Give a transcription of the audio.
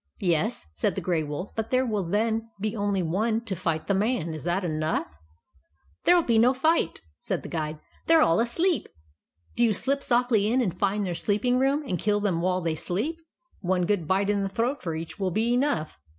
"Yes," said the Grey Wolf ; "but there will then be only one to fight the man. Is that enough ?"" There '11 be no fight," said the Guide. " They 're all asleep. Do you slip softly in, and find their sleeping room, and kill them while they sleep. One good bite in the throat for each will be enough.